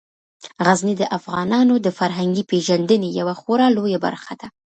غزني د افغانانو د فرهنګي پیژندنې یوه خورا لویه برخه ده.